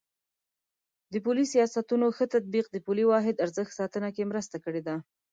د پولي سیاستونو ښه تطبیق د پولي واحد ارزښت ساتنه کې مرسته کړې ده.